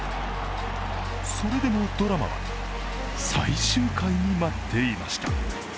それでもドラマは最終回に待っていました。